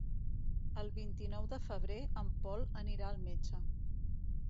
El vint-i-nou de febrer en Pol anirà al metge.